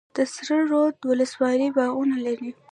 د سره رود ولسوالۍ باغونه لري